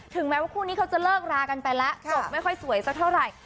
แม้ว่าคู่นี้เขาจะเลิกรากันไปแล้วจบไม่ค่อยสวยสักเท่าไหร่